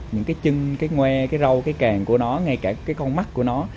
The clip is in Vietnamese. những cái chân cái ngoe cái râu cái càng của nó ngay cả cái con mắt của nó